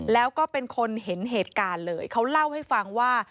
แล้วก็เป็นคนเห็นเหตุการณ์เลยเขาเล่าให้ฟังว่า